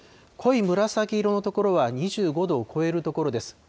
濃い紫色の所は２５度を超える所です。